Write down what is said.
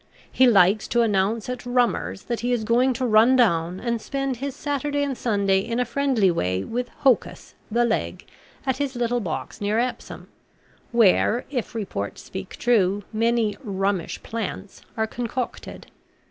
He likes to announce at 'Rummer's' that he is going to run down and spend his Saturday and Sunday in a friendly way with Hocus, the leg, at his little box near Epsom; where, if report speak true, many 'rummish plants' are concocted.